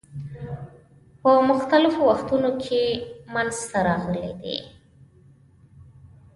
په مختلفو وختونو کې منځته راغلي دي.